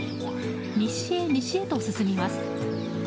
西へ西へと進みます。